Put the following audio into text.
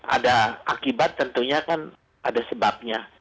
ada akibat tentunya kan ada sebabnya